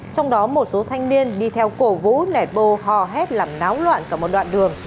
trong đó một số thanh niên đi theo cổ vũ nẹt bô hò hét làm náo loạn cả một đoạn đường